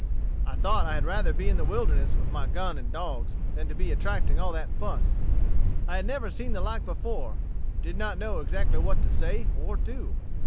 I thought I had rather be in the wilderness with my gun and dogs, than to be attracting all that fuss. I had never seen the like before, and did not know exactly what to say or do.